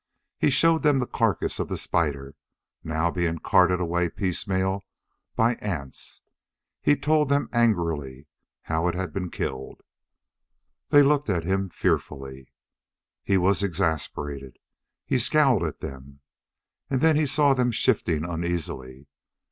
He showed them the carcass of the spider, now being carted away piecemeal by ants. He told them angrily how it had been killed. They looked at him fearfully. He was exasperated. He scowled at them. And then he saw them shifting uneasily.